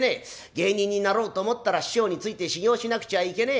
芸人になろうと思ったら師匠について修業しなくちゃいけねえ。